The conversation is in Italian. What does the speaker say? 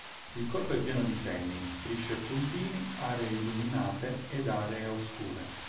Il corpo è pieno di segni, strisce e puntini, aree illuminate ed aree oscure.